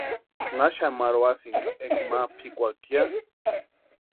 ¿Naxani marhuasïni enka ma pʼikwaki ya?